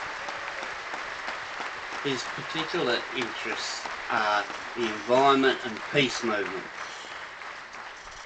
His particular interests are the environment and peace movements.